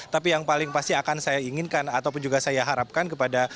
tapi yang paling pasti akan saya inginkan ataupun juga saya harapkan kepada